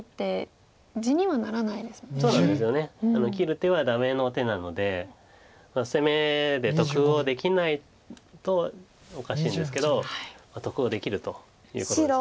切る手はダメの手なので攻めで得をできないとおかしいんですけど得をできるということです。